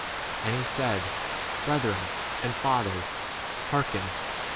And he said, Brethren and fathers,* hearken.